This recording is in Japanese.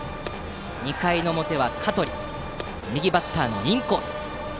２回表は、香取に対し右バッターのインコース。